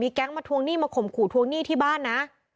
แก๊งมาทวงหนี้มาข่มขู่ทวงหนี้ที่บ้านนะ